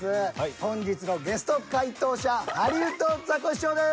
本日のゲスト回答者ハリウッドザコシショウです。